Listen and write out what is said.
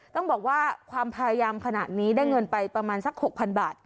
ต้องบอกว่าความพยายามขนาดนี้ได้เงินไปประมาณสัก๖๐๐๐บาท